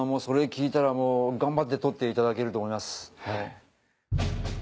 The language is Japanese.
それ聞いたら頑張って取っていただけると思います。